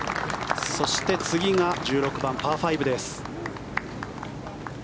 そして次が１６番、パー５です。